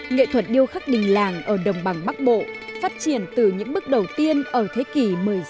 nghệ thuật điêu khắc đình làng ở đồng bằng bắc bộ phát triển từ những bước đầu tiên ở thế kỷ một mươi sáu